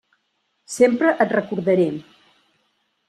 Sempre et recordaré.